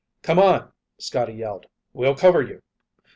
"Come on," Scotty yelled. "We'll cover you!"